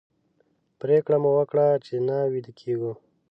پرېکړه مو وکړه چې نه ویده کېږو.